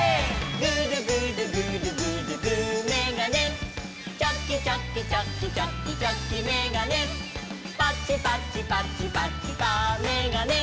「グルグルグルグルグーめがね」「チョキチョキチョキチョキチョキめがね」「パチパチパチパチパーめがね」